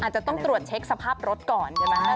อาจจะต้องตรวจเช็คสภาพรถก่อนใช่ไหม